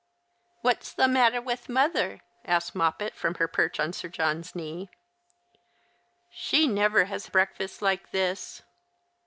" What's the matter with mother ?" asked Moppet from her perch on Sir John's knee. " She never has breakfast like this."